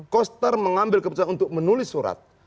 koster mengambil keputusan untuk menulis surat